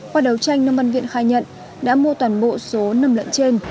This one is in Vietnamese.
qua đấu tranh nông văn viện khai nhận đã mua toàn bộ số nâm lợn trên